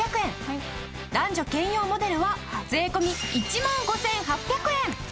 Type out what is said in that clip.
男女兼用モデルは税込１万５８００円。